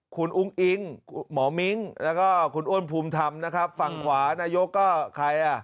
พี่อุ้นอิงและคุณอ้นพูมธรรมภั่งขวานายก